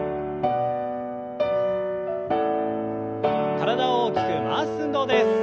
体を大きく回す運動です。